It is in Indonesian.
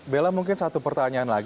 bella mungkin satu pertanyaan lagi